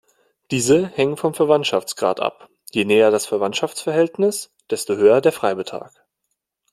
Diese hängen vom Verwandtschaftsgrad ab: je näher das Verwandtschaftsverhältnis, desto höher der Freibetrag.